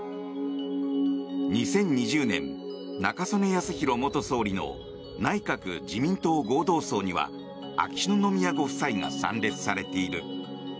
２０２０年、中曽根康弘元総理の内閣・自民党合同葬には秋篠宮ご夫妻が参列されている。